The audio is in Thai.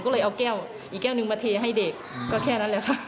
ก็เลยเอาแก้วอีกแก้วหนึ่งมาเทให้เด็กก็แค่นั้นแหละค่ะ